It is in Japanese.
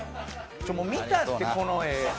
もう見たってこの画。